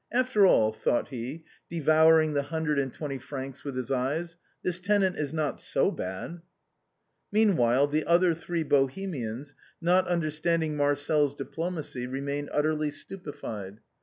After all," thought he, devouring the hundred and twenty francs with his eyes, " this tenant is not so bad." Meanwhile, the other three Bohemians, not understand ing Marcel's diplomacy, remained utterly stupefied.